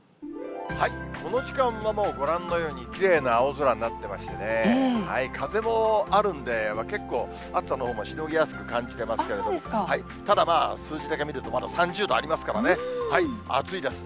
この時間はご覧のようにきれいな青空になってましてね、風もあるんで、結構暑さのほうもしのぎやすく感じてますけれども、ただ、数字だけ見ると、まだ３０度ありますからね、暑いです。